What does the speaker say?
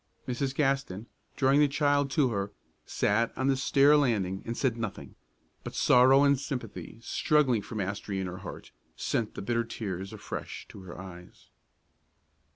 Mrs. Gaston, drawing the child to her, sat on the stair landing and said nothing; but sorrow and sympathy, struggling for the mastery in her heart, sent the bitter tears afresh to her eyes.